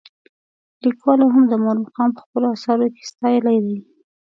لیکوالو هم د مور مقام په خپلو اثارو کې ستایلی دی.